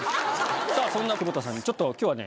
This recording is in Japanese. さぁそんな窪田さんにちょっと今日はね